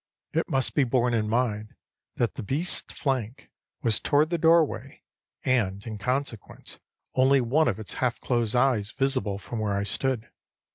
It must be borne in mind that the beast's flank was toward the doorway, and, in consequence, only one of its half closed eyes visible from where I stood.